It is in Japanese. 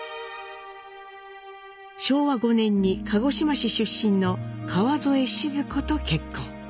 昭和５年に鹿児島市出身の川添シヅ子と結婚。